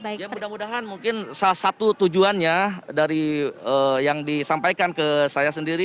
ya mudah mudahan mungkin salah satu tujuannya dari yang disampaikan ke saya sendiri